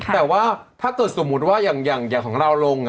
แต่ว่าถ้าเกิดสมมุติว่าอย่างของเราลง